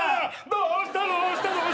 どうした？